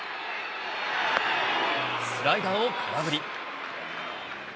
スライダーを空振り。